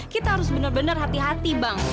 kita harus bener bener hati hati bang